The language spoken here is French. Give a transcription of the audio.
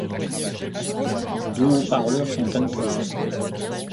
Deux haut-parleurs sont inclus.